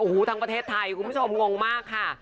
โอ้โหทั้งประเทศไทยคุณผู้ชมงงมากค่ะ